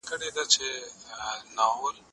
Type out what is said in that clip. زه به سبا شګه پاک کړم!.